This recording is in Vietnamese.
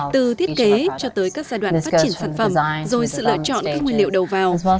từ thiết kế cho tới các giai đoạn phát triển sản phẩm rồi sự lựa chọn các nguyên liệu đầu vào